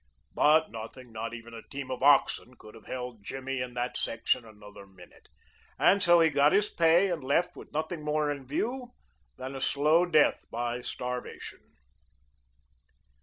But nothing, not even a team of oxen, could have held Jimmy in that section another minute, and so he got his pay and left with nothing more in view than a slow death by starvation.